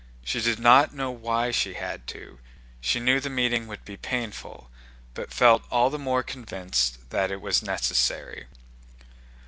She did not know why she had to, she knew the meeting would be painful, but felt the more convinced that it was necessary.